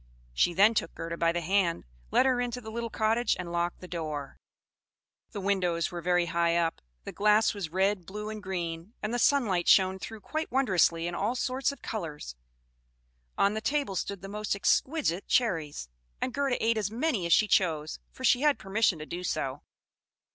She then took Gerda by the hand, led her into the little cottage, and locked the door. The windows were very high up; the glass was red, blue, and green, and the sunlight shone through quite wondrously in all sorts of colors. On the table stood the most exquisite cherries, and Gerda ate as many as she chose, for she had permission to do so.